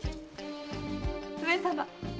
上様